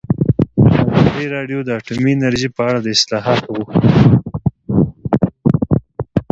ازادي راډیو د اټومي انرژي په اړه د اصلاحاتو غوښتنې راپور کړې.